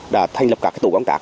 đã thành lập các tủ bóng tạc